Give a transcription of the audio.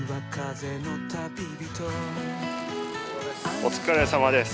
お疲れさまです。